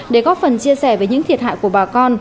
để góp phần chia sẻ về những thiệt hại của bà con